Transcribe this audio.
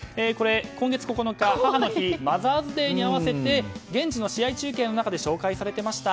今月９日、母の日マザーズデーに合わせて現地の試合中継の中で紹介されていました。